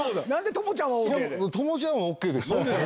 トモちゃんはＯＫです。